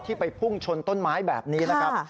ไปพุ่งชนต้นไม้แบบนี้นะครับ